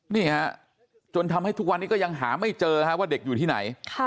นี่ฮะจนทำให้ทุกวันนี้ก็ยังหาไม่เจอว่าเด็กอยู่ที่ไหน